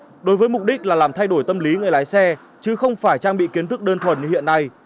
cũng lưu ý đối với mục đích là làm thay đổi tâm lý người lái xe chứ không phải trang bị kiến thức đơn thuần như hiện nay